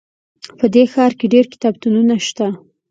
په دې ښار کې ډېر کتابتونونه شته